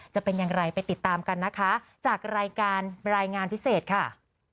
จะเป็นอย่างไรไปติดตามกันนะคะจากรายการรายงานพิเศษค่ะ